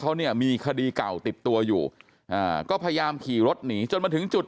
เขาเนี่ยมีคดีเก่าติดตัวอยู่อ่าก็พยายามขี่รถหนีจนมาถึงจุด